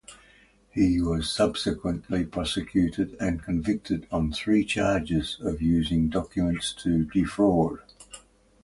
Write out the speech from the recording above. He was subsequently prosecuted and convicted on three charges of using documents to defraud.